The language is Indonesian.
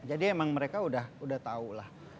jadi emang mereka udah tau lah